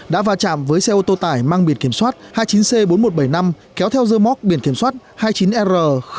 đã va chạm với xe ô tô tải mang biển kiểm soát hai mươi chín c bốn nghìn một trăm bảy mươi năm kéo theo rơ móc biển kiểm soát hai mươi chín r hai nghìn ba trăm bảy mươi một